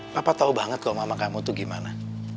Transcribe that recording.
papa tahu banget kok mama kamu itu gimana